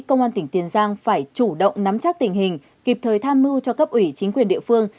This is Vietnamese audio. công an tỉnh tiền giang phải chủ động nắm chắc tình hình kịp thời tham mưu cho cấp ủy chính quyền địa phương